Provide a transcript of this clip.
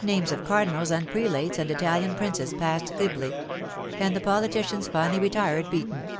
Names of cardinals and prelates and Italian princes passed glibly; and the politicians finally retired beaten.